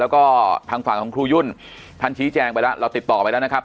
แล้วก็ทางฝั่งของครูยุ่นท่านชี้แจงไปแล้วเราติดต่อไปแล้วนะครับ